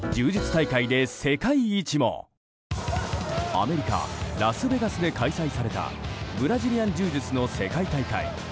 アメリカ・ラスベガスで開催されたブラジリアン柔術の世界大会。